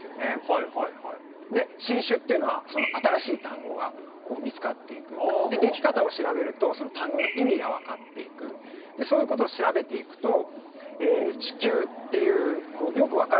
はいはいはい新種っていうのはその新しい単語がこう見つかっていくでき方を調べるとその単語の意味が分かっていくそういうことを調べていくと地球っていうよく分からない